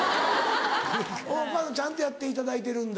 お母さんちゃんとやっていただいてるんだ。